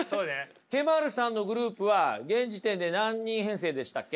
Ｋ−ｍａｒｕさんのグループは現時点で何人編成でしたっけ？